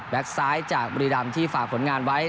ซ้ายจากบุรีรำที่ฝากผลงานไว้